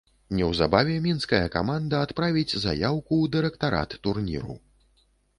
Неўзабаве мінская каманда адправіць заяўку ў дырэктарат турніру.